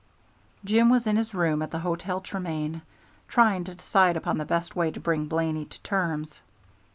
Jim was in his room at the Hotel Tremain, trying to decide upon the best way to bring Blaney to terms.